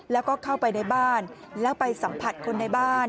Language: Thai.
แล้วก็เข้าไปในบ้านแล้วไปสัมผัสคนในบ้าน